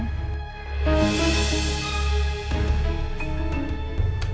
gak ada apa apa